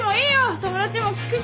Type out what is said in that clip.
友達にも聞くし。